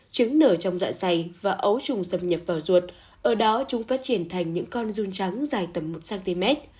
trứng nở trong dạ dày và ấu trùng xâm nhập vào ruột ở đó chúng phát triển thành những con run trắng dài tầm một cm